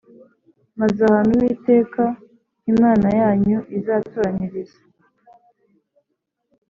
Maze ahantu uwiteka imana yanyu izatoraniriza